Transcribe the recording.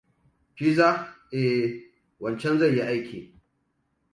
Pizza? Eh, wancan zai yi aiki.